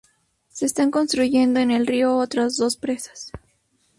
Se están construyendo en el río otras dos presas.